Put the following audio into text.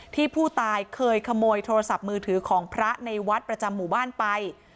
ที่ผู้ตายเคยขโมยโทรศัพท์มือถือของพระในวัดประจำหมู่บ้านไป